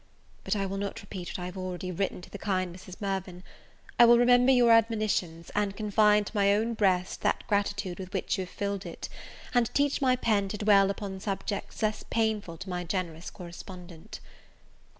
But I will not repeat what I have already written to the kind Mrs. Mirvan; I will remember your admonitions, and confine to my own breast that gratitude with which you have filled it, and teach my pen to dwell upon subjects less painful to my generous correspondent.